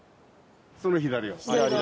その左側。